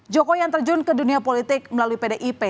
jokowi yang terjun ke dunia politik melalui pdip